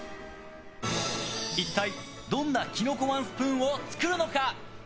一体どんなキノコワンスプーンを作るのか。